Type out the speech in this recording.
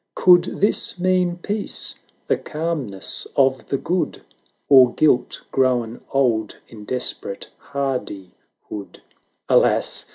Could this mean peace ? the calmness of the good? Or guilt grown old in desperate hardi hood? Alas